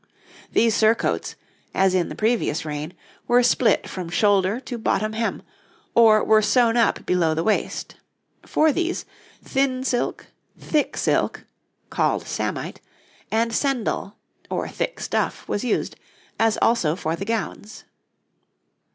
These surcoats, as in the previous reign, were split from shoulder to bottom hem, or were sewn up below the waist; for these, thin silk, thick silk (called samite), and sendal, or thick stuff, was used, as also for the gowns.